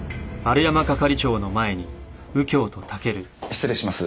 失礼します。